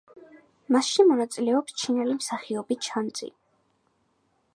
მასში მონაწილეობს ჩინელი მსახიობი ჩან ძი.